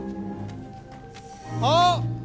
あっ！